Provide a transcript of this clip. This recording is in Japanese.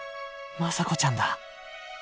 眞佐子ちゃんだ。